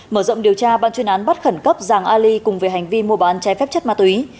mở rộng điều tra ban chuyên án bắt khẩn cấp giàng ali cùng về hành vi mua bán trái phép chất ma túy